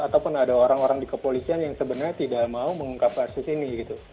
ataupun ada orang orang di kepolisian yang sebenarnya tidak mau mengungkap kasus ini gitu